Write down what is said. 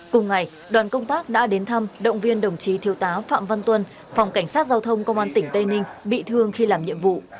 cùng ngày đoàn công tác đã đến thăm động viên đồng chí thiếu tá phạm văn tuân phòng cảnh sát giao thông công an tỉnh tây ninh bị thương khi làm nhiệm vụ